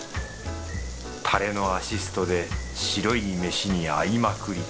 タレのアシストで白い飯に合いまくり。